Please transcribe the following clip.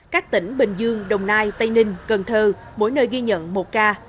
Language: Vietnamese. các tỉnh bình dương đồng nai tây ninh cần thơ mỗi nơi ghi nhận một ca